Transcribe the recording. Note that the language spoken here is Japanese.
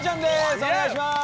お願いします。